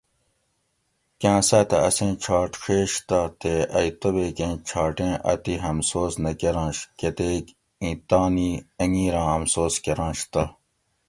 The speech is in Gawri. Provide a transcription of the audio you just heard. کاۤ ساتہ اسیں چھاٹ ڛیشتا تے ائی توبیکی چھاٹی آتئی ہمسوس نہ کرانش کہ تیک ایں تانی انگیراں امسوس کرانشتا